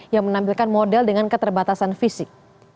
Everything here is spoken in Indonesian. yang menampilkan model dengan keterbatasan fisik